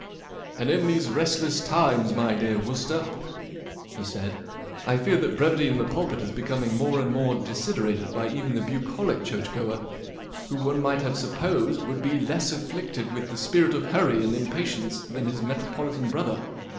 " And in these restless times, my dear Wooster," he said, " I fear that brevity in the pulpit is becoming more and more desiderated by even the bucolic churchgoer, who one might have supposed would be less afflicted with the spirit of hurry and impatience than his metropolitan brother.